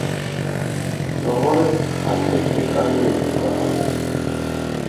ჯოღორეფქ ხათე ქეკადვეს უკახალე.